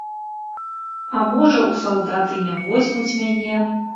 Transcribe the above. А можа, у салдаты не возьмуць мяне.